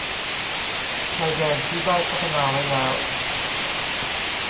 ชายแดนที่ได้พัฒนาไว้แล้ว